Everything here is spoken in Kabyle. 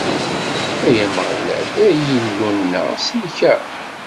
Ay Ameɣlal, ay Illu-nneɣ, sellek-aɣ!